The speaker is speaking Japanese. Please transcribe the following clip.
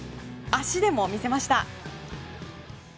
足でも見せました。